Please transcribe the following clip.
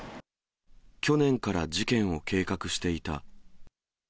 去年から事件を計画していた。